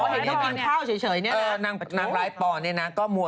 แล้วแน่นังนั้นจะยังไงใช่มั้ย